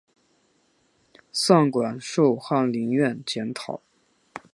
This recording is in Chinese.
散馆授翰林院检讨。